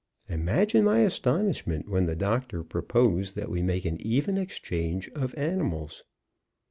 Imagine my astonishment when the doctor proposed that we make an even exchange of animals.